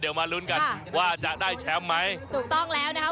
เดี๋ยวมาลุ้นกันว่าจะได้แชมป์ไหมถูกต้องแล้วนะครับ